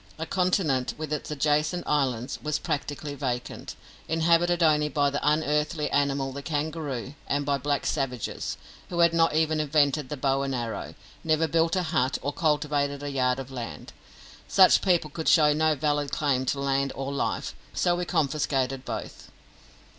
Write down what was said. A continent, with its adjacent islands, was practically vacant, inhabited only by that unearthly animal the kangaroo, and by black savages, who had not even invented the bow and arrow, never built a hut or cultivated a yard of land. Such people could show no valid claim to land or life, so we confiscated both.